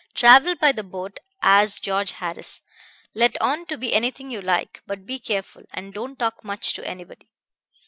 Travel by the boat as George Harris. Let on to be anything you like, but be careful, and don't talk much to anybody.